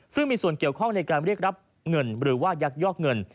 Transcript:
ซึ่งมีส่วนเกี่ยวข้องในการเรียกรับเงินหรือว่ายักยอกเงิน